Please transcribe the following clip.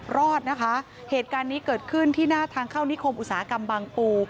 รอดนะคะเหตุการณ์นี้เกิดขึ้นที่หน้าทางเข้านิคมอุตสาหกรรมบางปู